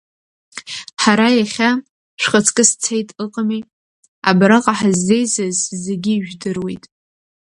Ҳара иахьа, шәхаҵкы сцеит, ыҟами, абраҟа ҳаззеизаз зегьы ижәдыруеит.